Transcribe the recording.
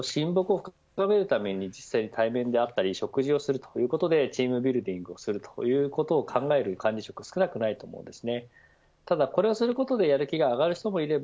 例えば、親睦を深めるために実際に対面であったり食事をするということでチームビルディングをするということを考える管理職も少なくないと思います。